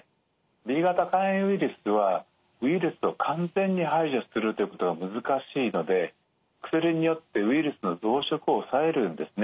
Ｂ型肝炎ウイルスはウイルスを完全に排除するということが難しいので薬によってウイルスの増殖を抑えるんですね。